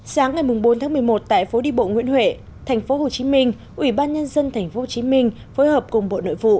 sáng ngày bốn tháng một mươi một tại phố đi bộ nguyễn huệ tp hcm ủy ban nhân dân tp hcm phối hợp cùng bộ nội vụ